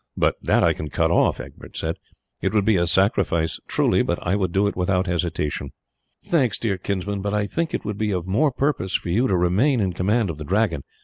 "But that I can cut off," Egbert said. "It would be a sacrifice truly, but I would do it without hesitation." "Thanks, dear kinsman, but I think it would be of more purpose for you to remain in command of the Dragon.